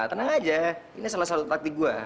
tenang aja ini salah satu takti gua